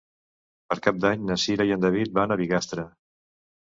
Per Cap d'Any na Cira i en David van a Bigastre.